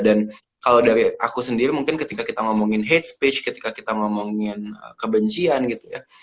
dan kalau dari aku sendiri mungkin ketika kita ngomongin hate speech ketika kita ngomongin kebencian gitu ya